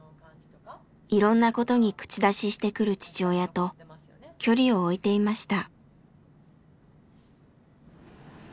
いろんなことに口出ししてくる父親と距離を置いていました。